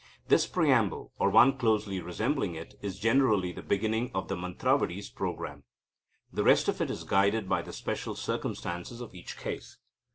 This preamble, or one closely resembling it, is generally the beginning of the mantravadi's programme. The rest of it is guided by the special circumstances of each case.